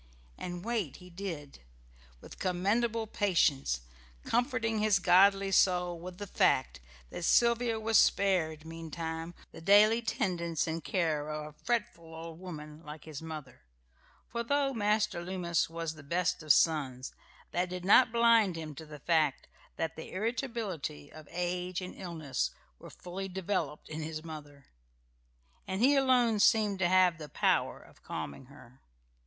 And wait he did, with commendable patience, comforting his godly soul with the fact that Sylvia was spared meantime the daily tendance and care of a fretful old woman like his mother; for, though Master Loomis was the best of sons, that did not blind him to the fact that the irritability of age and illness were fully developed in his mother, and he alone seemed to have the power of calming her.